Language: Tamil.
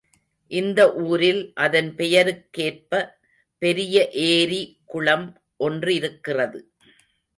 இந்த ஊரில் அதன் பெயருக்கேற்ப பெரிய ஏரி குளம் ஒன்றிருக்கிறது.